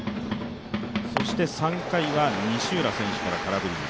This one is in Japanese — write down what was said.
そして３回は西浦選手から空振り。